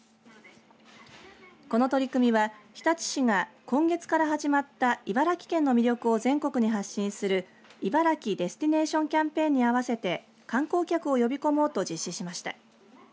この取り組みは日立市が今月から始まった茨城県の魅力を全国に発信する茨城デスティネーションキャンペーンに合わせて観光客を呼び込もうと実施しました。